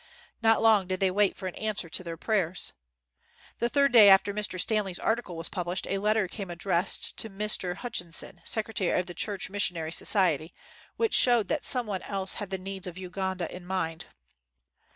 Not long did they wait for an answer to their prayers. The third day after Mr. Stanley's article was published, a letter came addressed to Mr. Hutchinson, Secretary of the Church Mis sionary Society, which showed that some one else had the needs of Uganda in mind.